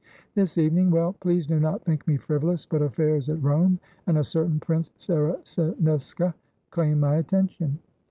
This evening well, please do not think me frivolous, but affairs at Rome and a certain Prince Saracinesca claim my attention.